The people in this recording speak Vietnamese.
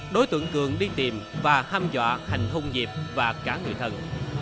đối tượng cường đi tìm và ham dọa hành hung diệp và cả người thân